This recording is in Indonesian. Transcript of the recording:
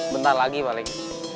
bentar lagi paling